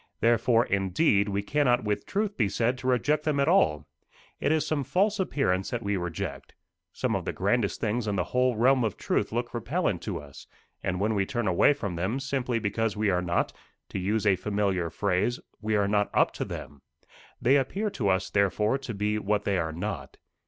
Therefore, indeed, we cannot with truth be said to reject them at all. It is some false appearance that we reject. Some of the grandest things in the whole realm of truth look repellent to us, and we turn away from them, simply because we are not to use a familiar phrase we are not up to them. They appear to us, therefore, to be what they are not.